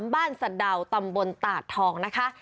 บ้านสะดาวตำบลตาดทองนะคะ